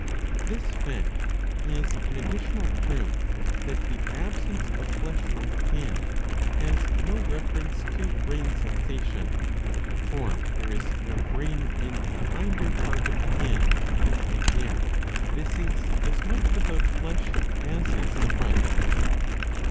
This fact is an additional proof that the absence of flesh from the head has no reference to brain sensation. For there is no brain in the hinder part of the head,^^ and yet this is as much without flesh as is the front.